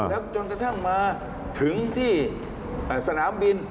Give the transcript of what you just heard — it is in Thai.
แล้วจนกระทั่งมาถึงที่สนามบิน